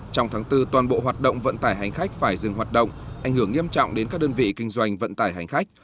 trong tháng bốn toàn bộ hoạt động vận tải hành khách phải dừng hoạt động ảnh hưởng nghiêm trọng đến các đơn vị kinh doanh vận tải hành khách